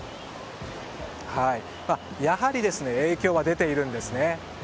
やはり影響は出ているんですね。